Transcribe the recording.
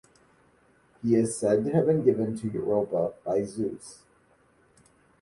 He is said to have been given to Europa by Zeus.